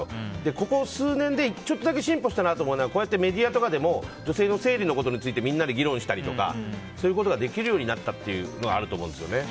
ここ数年でちょっとだけ進歩したと思うのがメディアでも女性の生理のことについてみんなで議論したりとかそういうことができるようになったというのはあると思うんですよね。